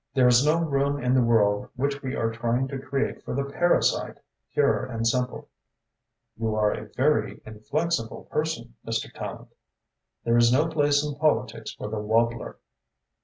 There is no room in the world which we are trying to create for the parasite pure and simple." "You are a very inflexible person, Mr. Tallente." "There is no place in politics for the wobbler."